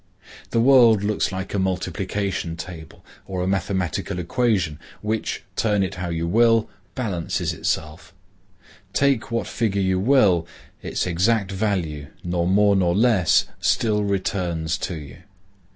The world looks like a multiplication table, or a mathematical equation, which, turn it how you will, balances itself. Take what figure you will, its exact value, nor more nor less, still returns to you.